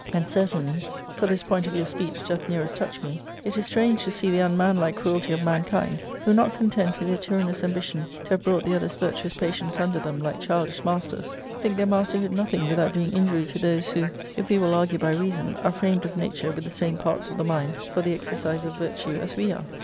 And certainly — for this point of inu X wis I ARCADIA.— Book L '67 your speech doth nearest touch me — it is strange to see the unmanlike cruelty of mankind, who, not content with their tyrannous ambition to have brought the others' virtuous patience under them, like childish masters, think their masterhood nothing without doing injury to those who, if "we will argue by reason, are framed of nature with the same parts of the mind for the exercise of virtue as we are.